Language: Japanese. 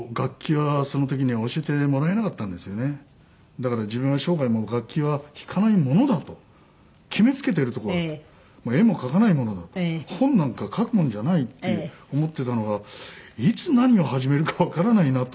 だから自分は生涯楽器は弾かないものだと決めつけてるとこがあって絵も描かないものだと。本なんか書くもんじゃないって思ってたのがいつ何を始めるかわからないなと。